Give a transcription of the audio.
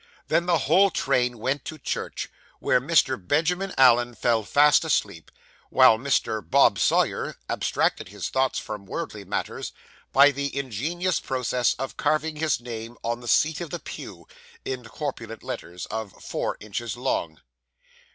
Then the whole train went to church, where Mr. Benjamin Allen fell fast asleep; while Mr. Bob Sawyer abstracted his thoughts from worldly matters, by the ingenious process of carving his name on the seat of the pew, in corpulent letters of four inches long.